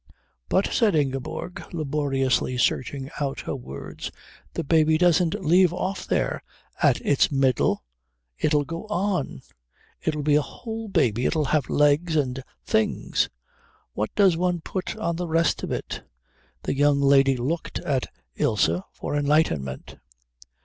"But," said Ingeborg, laboriously searching out her words, "the baby doesn't leave off there, at its middle. It'll go on. It'll be a whole baby. It'll have legs and things. What does one put on the rest of it?" The young lady looked at Ilse for enlightenment.